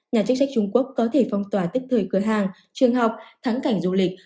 nhà chức trách trung quốc có thể phong tỏa tức thời cửa hàng trường học thắng cảnh du lịch